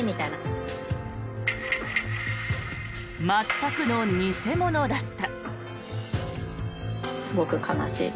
全くの偽物だった。